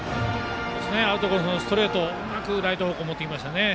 アウトコースのストレートうまくライト方向に持っていきました。